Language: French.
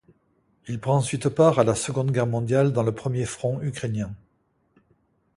Il prend ensuite part à la Seconde Guerre mondiale dans le premier front ukrainien.